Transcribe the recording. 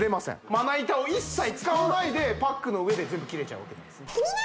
まな板を一切使わないでパックの上で全部切れちゃうわけです